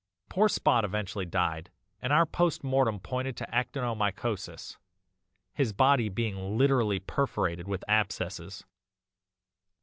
"Poor Spot eventually died, and our post mortem pointed to ACTINOMYCOSIS his body being literally perforated with abscesses.